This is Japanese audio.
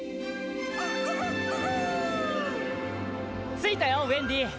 「着いたよウェンディ。